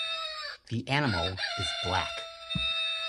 The animal is black.